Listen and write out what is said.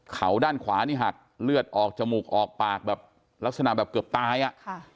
เขาด้านขวานี่หักเลือดออกจมูกออกปากแบบลักษณะแบบเกือบตายอ่ะค่ะ